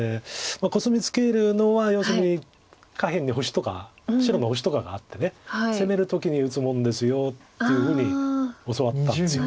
コスミツケるのは要するに下辺に星とか白の星とかがあって攻める時に打つもんですよっていうふうに教わったんです。